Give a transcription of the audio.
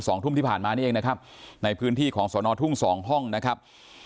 สองทุ่มที่ผ่านมานี่เองนะครับในพื้นที่ของสอนอทุ่งสองห้องนะครับ